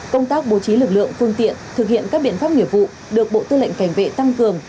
công tác bố trí lực lượng phương tiện thực hiện các biện pháp nghiệp vụ được bộ tư lệnh cảnh vệ tăng cường